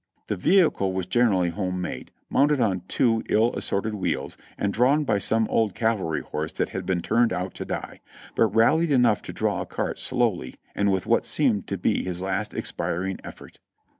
The vehicle was generally home made, mounted on two ill as sorted wheels, and drawn by some old cavalry horse that had been turned out to die, but rallied enough to draw a cart slowly and with what seemed to be his last expiring effort.